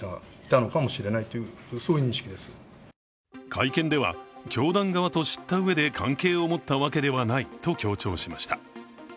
会見では教団側と知ったうえで関係を持ったわけではないと強調しました。